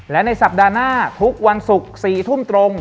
และในสัปดาห์หน้าทุกวันศุกร์๔ทุ่มตรง